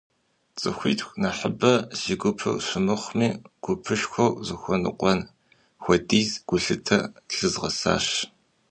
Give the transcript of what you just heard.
ЦӀыхуитху нэхъыбэ си гупыр щымыхъуми, гупышхуэр зыхуэныкъуэн хуэдиз гулъытэ лъызгъэсащ.